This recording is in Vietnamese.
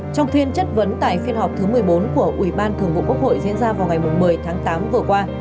trong phiên chất vấn tại phiên họp thứ một mươi bốn của ủy ban thường vụ quốc hội diễn ra vào ngày một mươi tháng tám vừa qua